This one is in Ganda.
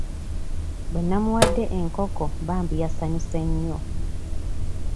Bwe nnamuwadde enkoko bambi yasanyuse nnyo.